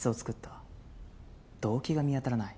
動機が見当たらない。